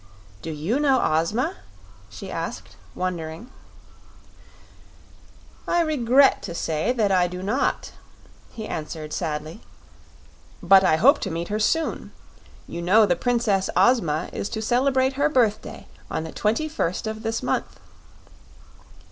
"Do you know Ozma?" she asked, wondering. "I regret to say that I do not," he answered, sadly; "but I hope to meet her soon. You know the Princess Ozma is to celebrate her birthday on the twenty first of this month."